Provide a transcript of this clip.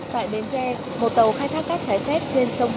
tại bến tre một tàu khai thác cát trái phép trên sông